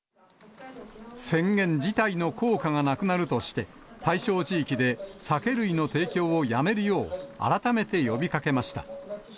宣言自体の効果がなくなるとして、対象地域で酒類の提供をやめるよう、改めて呼びかけました。